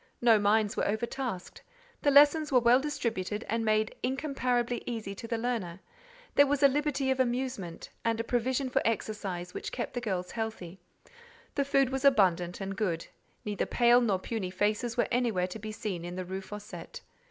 No minds were overtasked: the lessons were well distributed and made incomparably easy to the learner; there was a liberty of amusement, and a provision for exercise which kept the girls healthy; the food was abundant and good: neither pale nor puny faces were anywhere to be seen in the Rue Fossette.